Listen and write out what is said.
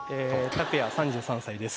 たくや３３歳です